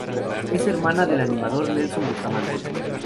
Es hermana del animador Nelson Bustamante.